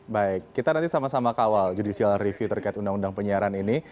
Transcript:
baik kita nanti sama sama kawal judicial review terkait undang undang penyiaran ini